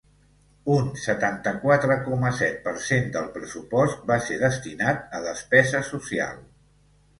Un setanta-quatre coma set per cent del pressupost va ser destinat a despesa social.